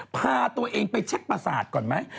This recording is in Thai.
พาตัวเองไปเช็คประสาทก่อนไหม